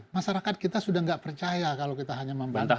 masyarakat kita sudah nggak percaya kalau kita hanya membantah